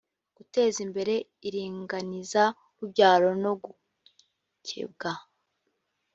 guteza imbere iringaniza rubyaro no gukebwa